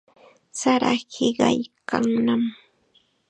Sara hiqaykannam.